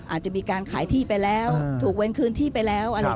อาจจะมีการขายที่ไปแล้วถูกเว้นคืนที่ไปแล้ว